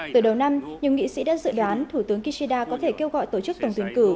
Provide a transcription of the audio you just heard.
từ đầu năm nhiều nghị sĩ đã dự đoán thủ tướng kishida có thể kêu gọi tổ chức tổng tuyển cử